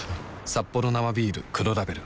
「サッポロ生ビール黒ラベル」